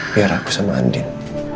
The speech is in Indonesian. biar aku sama andin